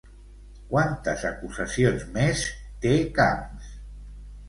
Quantes acusacions més té Camps?